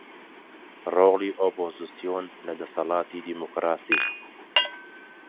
ڕۆڵی ئۆپۆزسیۆن لە دەسەڵاتی دیموکراسی